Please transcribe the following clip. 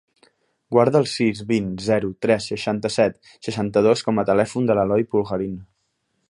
Guarda el sis, vint, zero, tres, seixanta-set, seixanta-dos com a telèfon de l'Eloy Pulgarin.